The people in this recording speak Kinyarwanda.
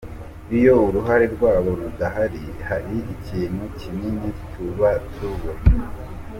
Iyo uruhare rwabo rudahari, hari ikintu kinini tuba tubura.